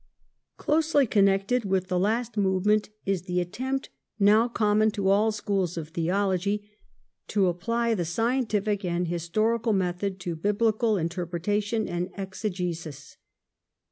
Closely connected with the last movement is the attempt, now common to all schools of Theology, to apply the scientific and historical method to Biblical interpre tation and exegesis.